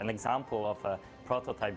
ini adalah contoh prototipe